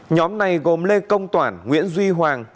nhóm này gồm lê công toản nguyễn duy hoàng